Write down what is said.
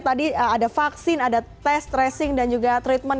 tadi ada vaksin ada tes tracing dan juga treatment